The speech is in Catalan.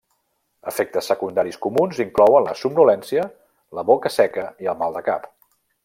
Efectes secundaris comuns inclouen la somnolència, la boca seca i el mal de cap.